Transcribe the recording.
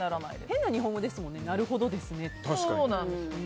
変な日本語ですよねなるほどですねって。